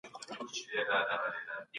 په خاص ډول هند کي خپرې سوې.